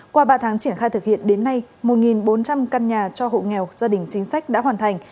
qua ba tháng triển khai thực hiện đến nay một bốn trăm linh căn nhà cho hộ nghèo gia đình chính sách đã hoàn thành